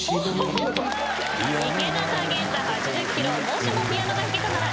『もしもピアノが弾けたなら』